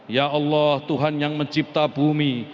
ya allah tuhan yang mencipta bumi